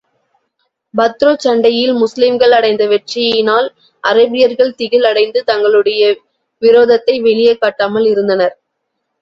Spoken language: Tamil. பத்ருச் சண்டையில், முஸ்லிம்கள் அடைந்த வெற்றியினால் அரேபியர்கள் திகில் அடைந்து, தங்களுடைய விரோதத்தை வெளியே காட்டாமல் இருந்தனர்.